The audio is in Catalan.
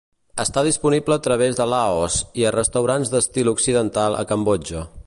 Està disponible a través de Laos, i a restaurants d'estil occidental a Cambodja.